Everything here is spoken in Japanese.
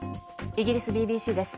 イギリスＢＢＣです。